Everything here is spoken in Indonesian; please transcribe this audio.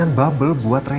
mainan bubble buat rena